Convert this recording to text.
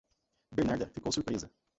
Bernarda ficou surpresa.